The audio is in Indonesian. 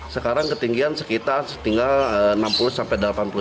sekarang ketinggian sekitar enam puluh sampai delapan puluh cm